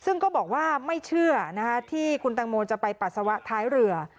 ซึ่งก็บอกว่าไม่เชื่อที่คุณตังโมจะไปปัสสาวะท้ายเรือ